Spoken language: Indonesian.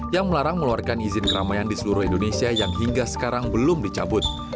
yang melarang meluarkan izin keramaian di seluruh indonesia yang hingga sekarang belum dicabut